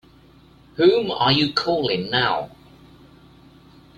Whom are you calling now?